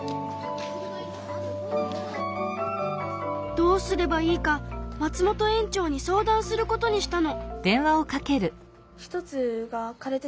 どうすればいいか松本園長に相談することにしたの。